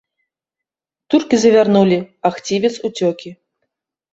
Туркі завярнулі, а хцівец уцёкі!